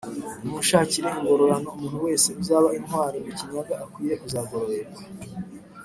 « nimunshakire ingororano umuntu wese uzaba intwari mu kinyaga akwiye kuzagororerwa»